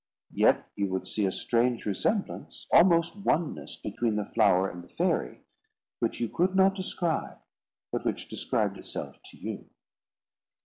Yet you would see a strange resemblance, almost oneness, between the flower and the fairy, which you could not describe, but which described itself to you.